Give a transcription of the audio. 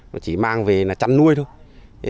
nó chỉ mang về là chăn nuôi thôi